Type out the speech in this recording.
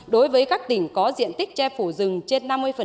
đối với các tỉnh có diện tích che phủ rừng trên năm mươi